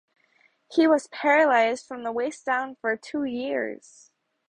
He was paralyzed from the waist down for two years.